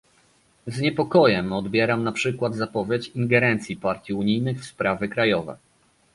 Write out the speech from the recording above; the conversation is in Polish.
Z niepokojem odbieram na przykład zapowiedź ingerencji partii unijnych w sprawy krajowe